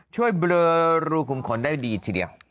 ช่วยเบลอรูขุมขนได้ดีทีเดียว